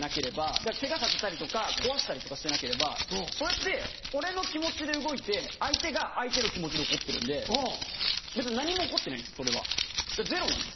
だからケガさせたりとか壊したりとかしてなければそれって俺の気持ちで動いて相手が相手の気持ちで怒ってるんで別に何も起こってないんですそれはだからゼロなんです。